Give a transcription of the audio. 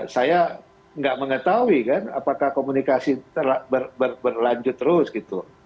saya nggak mengetahui kan apakah komunikasi berlanjut terus gitu